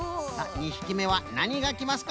２ひきめはなにがきますか？